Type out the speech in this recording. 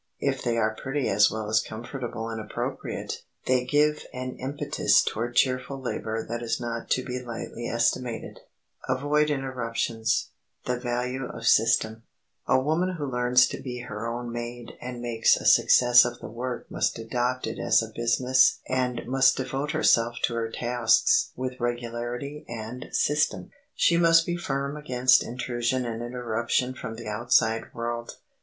If they be pretty as well as comfortable and appropriate, they give an impetus toward cheerful labor that is not to be lightly estimated. [Sidenote: AVOID INTERRUPTIONS] [Sidenote: THE VALUE OF SYSTEM] A woman who learns to be her own maid and makes a success of the work must adopt it as a business and must devote herself to her tasks with regularity and system. She must be firm against intrusion and interruption from the outside world.